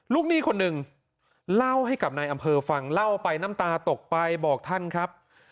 หนี้คนหนึ่งเล่าให้กับนายอำเภอฟังเล่าไปน้ำตาตกไปบอกท่านครับ